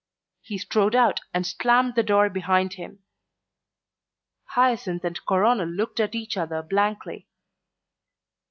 He strode out and slammed the door behind him. Hyacinth and Coronel looked at each other blankly.